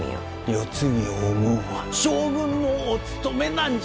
世継ぎを生むんは将軍のおつとめなんじゃ。